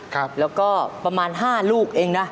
ครับแล้วก็ประมาณ๕ลูกเองนะ